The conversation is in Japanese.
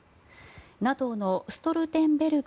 ＮＡＴＯのストルテンベルグ